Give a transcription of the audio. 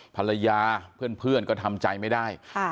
ภรรยาเพื่อนก็ทำใจไม่ได้